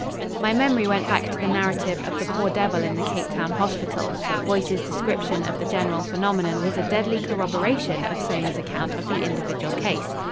My memory went back to the narrative of the poor devil in the Cape Town hospital. Boyce's description of the general phenomenon was a deadly corroboration of Somers's account of the individual case.